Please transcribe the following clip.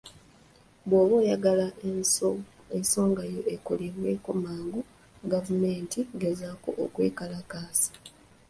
Bw'oba oyagala ensongayo ekolweko mangu gavumenti, gezaako okwekalakaasa.